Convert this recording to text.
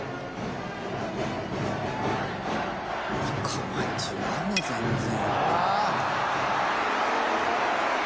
構え違うな全然。